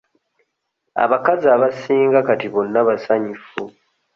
Abakazi abasinga kati bonna basanyufu.